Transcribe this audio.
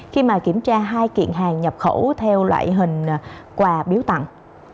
khi mà kiểm tra hai kiện hàng nhập khẩu theo loại hình quà biếu tặng